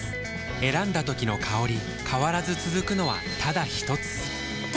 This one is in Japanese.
選んだ時の香り変わらず続くのはただひとつ？